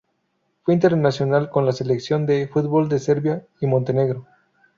Fue internacional con la selección de fútbol de Serbia y Montenegro.